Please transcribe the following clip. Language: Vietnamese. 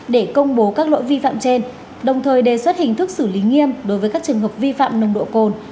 để công bố các lỗi vi phạm trên đồng thời đề xuất hình thức xử lý nghiêm đối với các trường hợp vi phạm nồng độ cồn